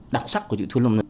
đặc sắc của chị thu lâm